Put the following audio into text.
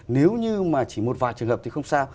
nếu như mà chỉ một vài trường hợp thì không sao